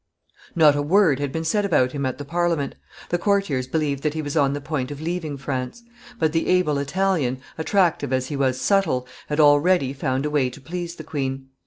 Not a word had been said about him at the Parliament; the courtiers believed that he was on the point of leaving France; but the able Italian, attractive as he was subtle, had already found a way to please the queen.